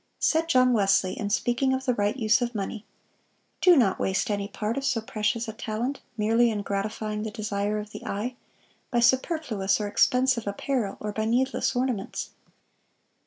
Said John Wesley, in speaking of the right use of money: "Do not waste any part of so precious a talent, merely in gratifying the desire of the eye, by superfluous or expensive apparel, or by needless ornaments.